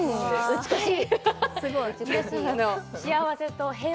美しい！